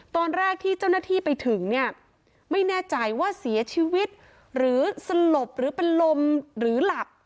ตอนแรกที่เจ้าหน้าที่ไปถึงเนี่ยไม่แน่ใจว่าเสียชีวิตหรือสลบหรือเป็นลมหรือหลับ